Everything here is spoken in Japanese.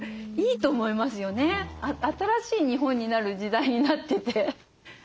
新しい日本になる時代になってて。